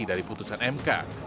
dari putusan mk